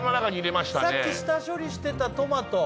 さっき下処理してたトマト。